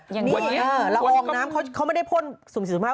อย่างนี้ละอองน้ำเขาไม่ได้พ่นสุ่มสูงมาก